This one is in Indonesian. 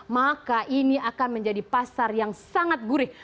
maka ini akan menjadi pasar yang sangat gurih